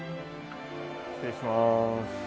失礼しまーす